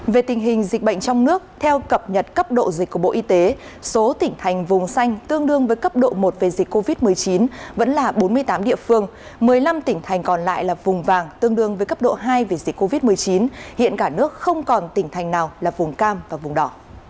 về tình hình dịch bệnh trong nước theo cập nhật cấp độ dịch của bộ y tế số tỉnh thành vùng xanh tương đương với cấp độ một về dịch covid một mươi chín vẫn là bốn mươi tám địa phương một mươi năm tỉnh thành còn lại là vùng vàng tương đương với cấp độ hai vì dịch covid một mươi chín hiện cả nước không còn tỉnh thành nào là vùng cam và vùng đỏ